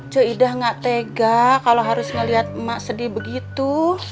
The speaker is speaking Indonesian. jo ida gak tega kalau harus melihat emak sedih begitu